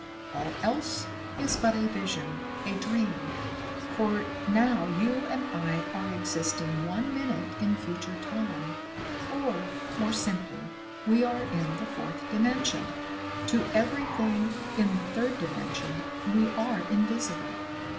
All else is but a vision, a dream. For now you and I are existing one minute in future time, or, more simply, we are in the Fourth Dimension. To everything in the third dimension, we are invisible.